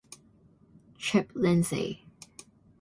Chip Lindsey.